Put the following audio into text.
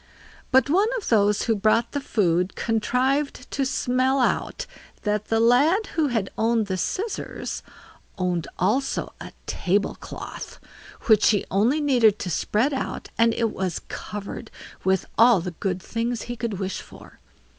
But one of those who brought the food contrived to smell out that the lad who had owned the scissors owned also a table cloth, which he only needed to spread out, and it was covered with all the good things he could wish for.